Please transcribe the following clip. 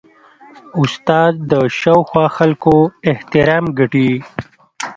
استاد د شاوخوا خلکو احترام ګټي.